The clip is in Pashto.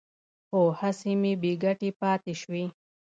خو هڅې مې بې ګټې پاتې شوې.